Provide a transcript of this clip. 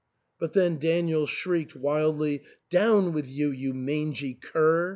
" But then Daniel shrieked wildly, " Down with you, you mangy cur